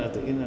tự nhiên là